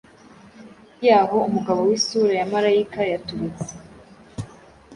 y’aho umugabo w’Isura ya Malayika yaturutse